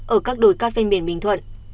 ở các đồi cát ven biển bình thuận